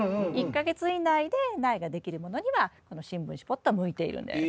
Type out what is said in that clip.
１か月以内で苗ができるものにはこの新聞紙ポット向いているんです。